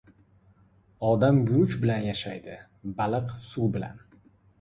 • Odam guruch bilan yashaydi, baliq — suv bilan.